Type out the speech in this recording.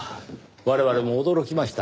我々も驚きました。